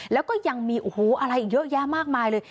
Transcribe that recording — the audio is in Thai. แล้วก็ยังมีอะไรเยอะแยะมากมายเลย